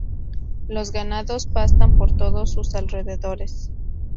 Los ganados pastan por todos sus alrededores.